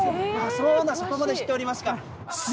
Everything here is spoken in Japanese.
そこまで知っておりますか。